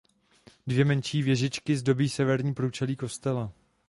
Dvě menší věžičky zdobí severní průčelí kostela.